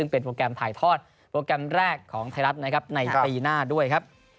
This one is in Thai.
เป็นโปรแกรมถ่ายทอดโปรแกรมแรกของไทยรัฐนะครับในปีหน้าด้วยครับ